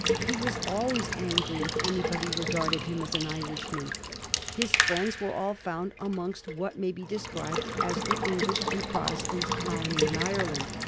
He was always angry if anybody regarded him as an Irishman. His friends were all found amongst what may be described as the English and Protestant colony in Ireland.